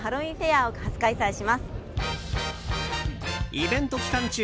イベント期間中